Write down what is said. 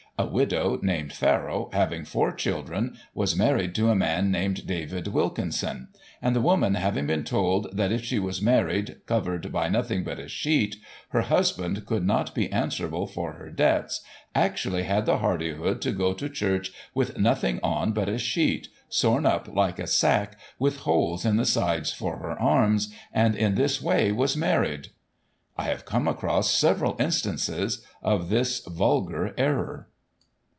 A widow, named Farrow, having four children, was married to a man named David Wilkinson ; and the woman having been told that if she was married, covered by nothing but a sheet, her husband would not be answerable for her debts, actually had the hardihood to go to church with nothing on but a sheet, sewn up like a sack, with holes in the sides for her arms, and in this way was married." I have come across several instances of this vulgar error.